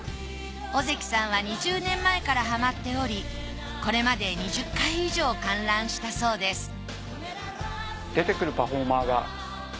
小関さんは２０年前からハマっておりこれまで２０回以上観覧したそうです